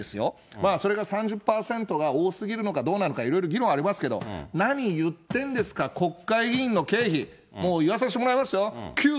まあそれが３０％が多すぎるのかどうなのか、いろいろ議論ありますけど、何言ってんですか、国会議員の経費、もう言わさせていただきますよ。